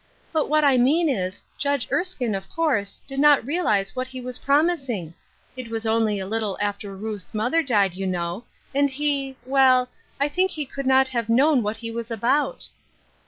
" But what I mean is. Judge Erskine, of course, did not realize what he was promising. It was onlj a little after Ruth's mother died, you know, and he — well, I think he could not have known what he was about."